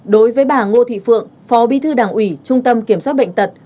đối với bà ngô thị phượng phó bí thư đảng ủy trung tâm kiểm soát bệnh tật